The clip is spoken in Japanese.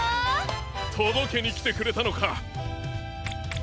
とどけにきてくれたのか！